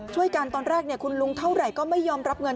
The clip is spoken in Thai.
ช่วยกันตอนแรกคุณลุงเท่าไรก็ไม่ยอมรับเงิน